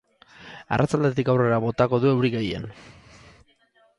Arratsaldetik aurrera botako du euri gehien.